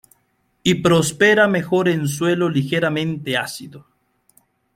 Y prospera mejor en suelo ligeramente ácido.